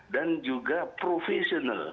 dan juga profesional